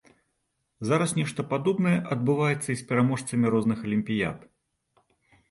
Зараз нешта падобнае адбываецца і з пераможцамі розных алімпіяд.